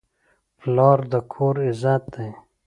پلار د کور عزت دی.